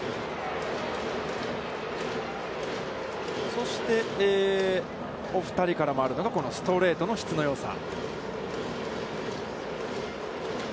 そして、お二人からもあるのが、ストレートの質のよさ。